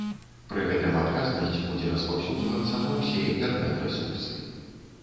Пры гэтым адказнасць будзе распаўсюджвацца на ўсе інтэрнэт-рэсурсы.